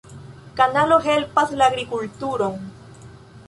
Kanalo helpas la agrikulturon.